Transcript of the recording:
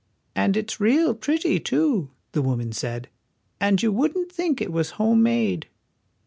'* And it's real pretty, too," the woman said, "and you wouldn't think it was homemade."